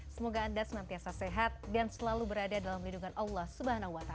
semoga anda senantiasa sehat dan selalu berada dalam lindungan allah swt